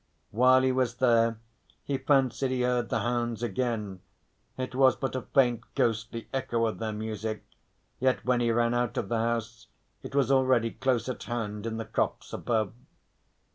While he was there he fancied he heard the hounds again; it was but a faint ghostly echo of their music, yet when he ran out of the house it was already close at hand in the copse above.